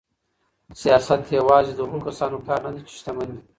سياست يوازې د هغو کسانو کار نه دی چي شتمن دي.